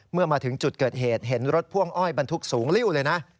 เมื่อมาถึงจุดเกิดเหตุเห็นรถพ่วงอ้อยบรรทุกสูงริ้วเลยนะ